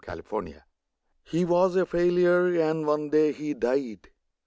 COMPASSION HE was a failure, and one day he died.